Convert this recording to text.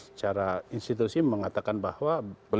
secara institusi mengatakan bahwa